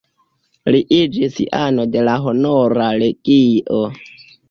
Li iĝis ano de la Honora Legio.